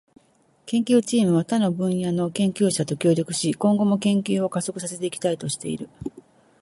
研究チームは他の分野の研究者と協力し、今後も研究を加速させていきたいとしている。